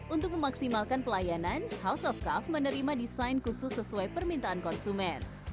untuk memaksimalkan pelayanan house of cuff menerima desain khusus sesuai permintaan konsumen